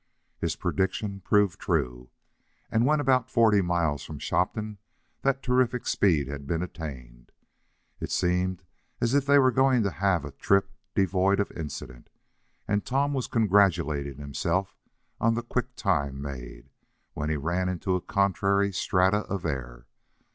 His prediction proved true, and when about forty miles from Shopton that terrific speed had been attained. It seemed as if they were going to have a trip devoid of incident, and Tom was congratulating himself on the quick time made, when he ran into a contrary strata of air.